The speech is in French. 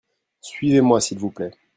suivez-moi s'il vous plait.